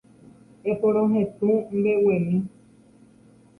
Eporohetũ mbeguemi